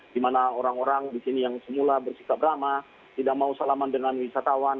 di mana orang orang di sini yang semula bersikap ramah tidak mau salaman dengan wisatawan